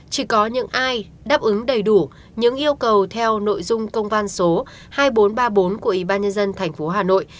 chỉ có những ai đáp ứng đầy đủ những yêu cầu theo nội dung công văn số hai nghìn bốn trăm ba mươi bốn của ủy ban nhân dân tp hà nội